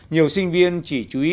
nhiều sinh viên chỉ chú ý